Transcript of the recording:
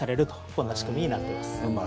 こんな仕組みになっています。